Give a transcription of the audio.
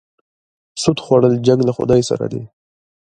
سود خوړل جنګ له خدای سره دی.